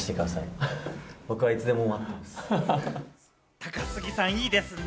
高杉さん、いいですね。